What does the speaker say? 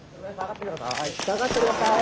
下がって下さい。